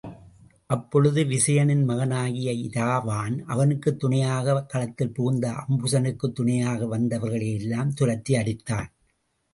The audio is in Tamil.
அப்பொழுது விசயனின் மகனாகிய இராவான் அவனுக்குத் துணையாகக் களத்தில் புகுந்து அம்புசனுக்குத் துணையாக வந்தவர்களை எல்லாம் துரத்தி அடித்தான்.